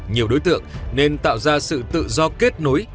nhiều đối tượng nên tạo ra sự tự do kết nối